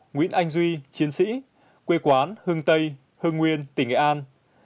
một mươi sáu nguyễn anh duy chiến sĩ quê quán hưng tây hưng nguyên tỉnh nghệ an